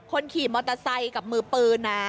คนขี่มอเตอร์ไซค์กับมือปืนนะ